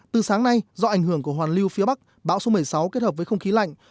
từ sáng nay do ảnh hưởng của hoàn lưu phía bắc bão số một mươi sáu kết hợp với không khí lạnh